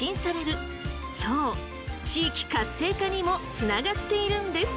そう地域活性化にもつながっているんです！